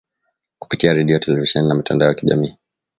kupitia redio televisheni na mitandao ya kijamii